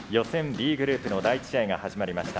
Ｂグループの第１試合が始まりました。